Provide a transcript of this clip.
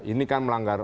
ini kan melanggar